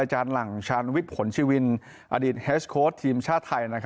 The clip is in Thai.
หลังชาญวิทย์ผลชีวินอดีตเฮสโค้ดทีมชาติไทย